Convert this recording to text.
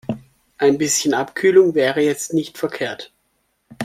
Ein bisschen Abkühlung wäre jetzt nicht verkehrt.